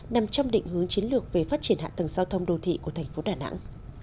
nằm trong định hướng chiến lược về phát triển hạ tầng giao thông đô thị của tp đà nẵng